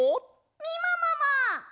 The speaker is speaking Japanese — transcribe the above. みももも！